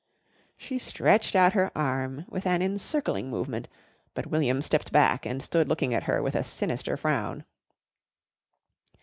She stretched out her arm with an encircling movement, but William stepped back and stood looking at her with a sinister frown.